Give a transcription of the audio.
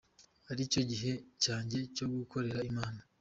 aricyo gihe cyanjye cyo gukorera Imana.